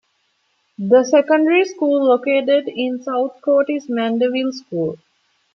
The secondary school located in Southcourt is Mandeville School.